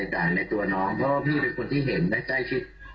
เพราะว่าพี่เป็นคนที่เห็นได้ใจชิด